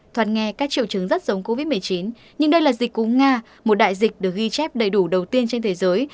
thoạt nghe các triệu chứng rất giống covid một mươi chín nhưng đây là dịch cúng nga một đại dịch được ghi chép đầy đủ đầu tiên trên thế giới